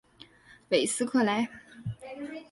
韦斯克莱。